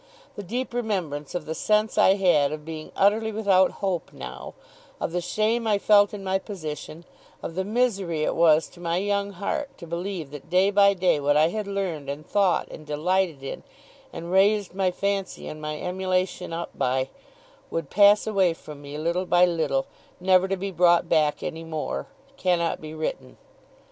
The deep remembrance of the sense I had, of being utterly without hope now; of the shame I felt in my position; of the misery it was to my young heart to believe that day by day what I had learned, and thought, and delighted in, and raised my fancy and my emulation up by, would pass away from me, little by little, never to be brought back any more; cannot be written.